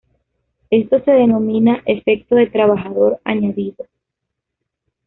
Esto se denomina "efecto de trabajador añadido".